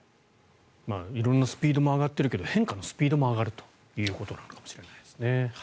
色んなスピードも上がってるけど変化のスピードも上がるということなのかもしれないですね。